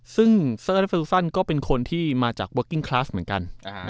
ซึ่งเซอร์และฟิลซันก็เป็นคนที่มาจากเวิร์กกิ้งคลาสเหมือนกัน